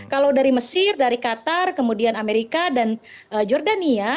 kalau dari mesir dari qatar kemudian amerika dan jordania